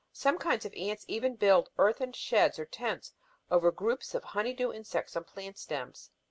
Some kinds of ants even build earthen "sheds," or tents, over groups of honey dew insects on plant stems.